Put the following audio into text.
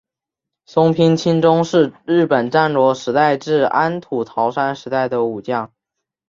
松平清宗是日本战国时代至安土桃山时代的武将。